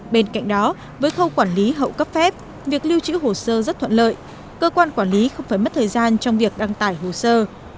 bên cạnh đó với khâu quản lý hậu cấp phép việc lưu trữ hồ sơ rất thuận lợi cơ quan quản lý không phải mất thời gian trong việc đăng tải hồ sơ